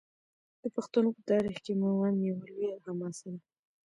د پښتنو په تاریخ کې میوند یوه لویه حماسه ده.